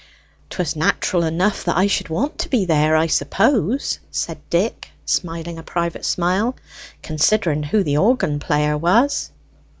"'Twas natural enough that I should want to be there, I suppose," said Dick, smiling a private smile; "considering who the organ player was."